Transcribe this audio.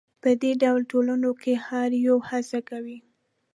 په دې ډول ټولنو کې هر یو هڅه کوي